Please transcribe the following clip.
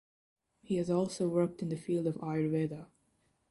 He has also worked in the field of Ayurveda.